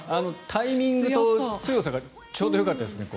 タイミングがちょうどよかったですね。